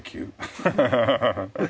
ハハハハ。